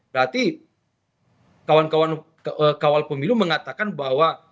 berarti kawan kawan kawal pemilu mengatakan bahwa